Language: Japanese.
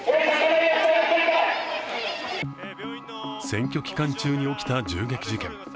選挙期間中に起きた銃撃事件。